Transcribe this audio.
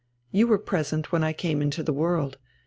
You were present when I came into the world.